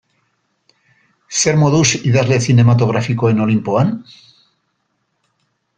Zer moduz idazle zinematografikoen olinpoan?